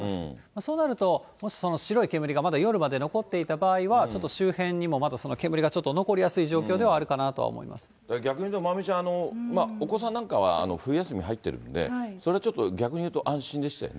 そうなると、もしその白い煙がまだ夜まで残っていた場合は、ちょっと周辺にもまだその煙がちょっと残りやすい状況ではあるか逆に言うと、まおみちゃん、お子さんなんかは冬休み入ってるんで、それちょっと、逆にいうと安心でしたよね。